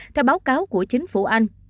theo báo cáo của chính phủ anh